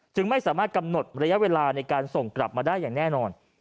ไม่สามารถกำหนดระยะเวลาในการส่งกลับมาได้อย่างแน่นอน